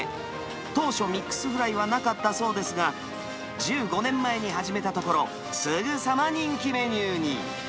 当初、ミックスフライはなかったそうですが、１５年前に始めたところ、すぐさま人気メニューに。